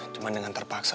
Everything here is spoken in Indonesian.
cuma dengan terpaksa